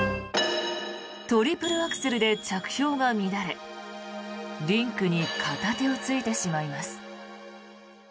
トリプルアクセルで着氷が乱れリンクに片手をついてしまいます。